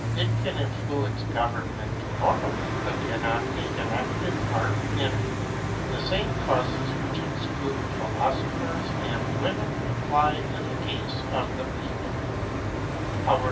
It can influence government morally, but cannot take an active part in it. The same causes which exclude philosophers and women apply in the case of the people.